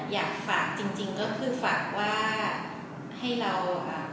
อยากฝากจริงก็คือฝากว่าให้เราอ่ะ